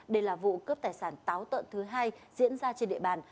đây là vụ cướp tài sản táo tợn thứ hai diễn ra trên địa bàn